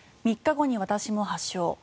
３日後に私も発症。